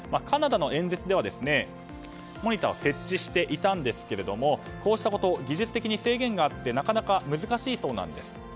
カナダの演説ではモニターは設置していたんですがこうしたこと、技術的に制限があって、なかなか難しいそうなんです。